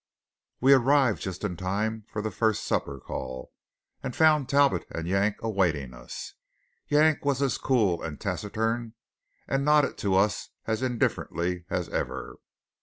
We arrived just in time for the first supper call, and found Talbot and Yank awaiting us. Yank was as cool and taciturn, and nodded to us as indifferently, as ever.